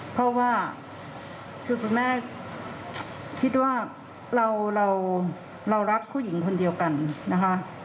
เพราะว่าคือคุณแม่คิดว่าเรารักผู้หญิงคนเดียวกันนะคะ